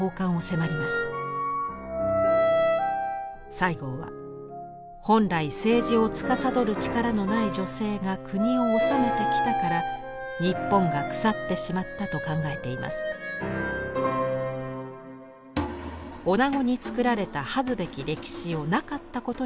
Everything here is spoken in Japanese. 西郷は本来政治をつかさどる力のない女性が国を治めてきたから日本が腐ってしまったと考えています。